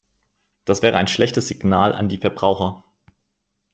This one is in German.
Das wäre ein schlechtes Signal an die Verbraucher.